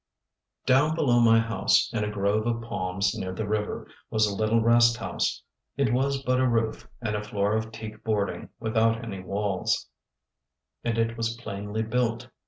_ Down below my house, in a grove of palms near the river, was a little rest house. It was but a roof and a floor of teak boarding without any walls, and it was plainly built.